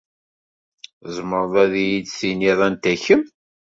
Tzemreḍ ad iyi-d-tiniḍ anta kemm?